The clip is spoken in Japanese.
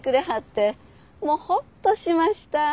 もうホッとしました。